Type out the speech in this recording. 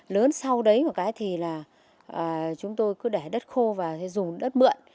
lớn sau đấy một cái thì là chúng tôi cứ để đất khô và dùng đất mượn